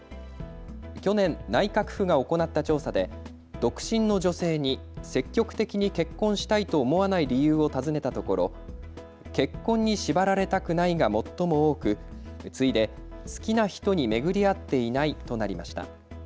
去年、内閣府が行った調査で独身の女性に積極的に結婚したいと思わない理由を尋ねたところ結婚に縛られたくないが最も多く、次いで好きな人に巡り合っていないとなりました。